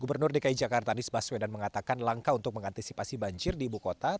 gubernur dki jakarta anies baswedan mengatakan langkah untuk mengantisipasi banjir di ibu kota